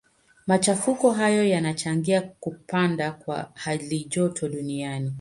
Machafuko hayo yanachangia kupanda kwa halijoto duniani.